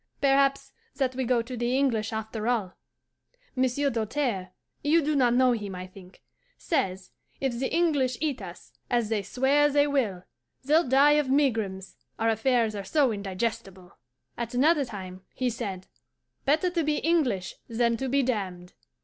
Perhaps that we go to the English after all. Monsieur Doltaire you do not know him, I think says, "If the English eat us, as they swear they will, they'll die of megrims, our affairs are so indigestible." At another time he said, "Better to be English than to be damned."